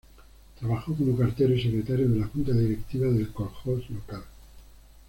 Trabajó como cartero y secretario de la junta directiva del koljós local.